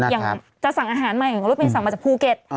อย่างจะสั่งอาหารใหม่อย่างรถเมนสั่งมาจากภูเก็ต